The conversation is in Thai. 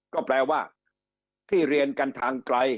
ก็แปลว่าที่เรียนกันทางไกล